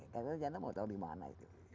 kalau jantan mau tau di mana itu